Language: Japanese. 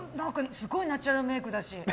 すごいナチュラルメイクだし。